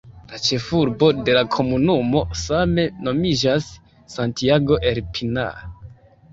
La ĉefurbo de la komunumo same nomiĝas "Santiago el Pinar".